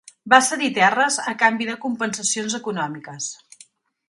Va cedir terres a canvi de compensacions econòmiques.